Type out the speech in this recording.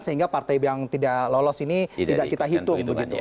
sehingga partai yang tidak lolos ini tidak kita hitung begitu